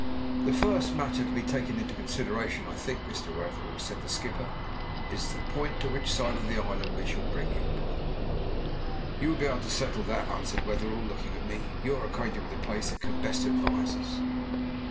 "The first matter to be taken into consideration, I think, Mr. Wetherell," said the skipper, "is the point as to which side of the island we shall bring up on." "You will be able to settle that," answered Wetherell, looking at me. "You are acquainted with the place, and can best advise us."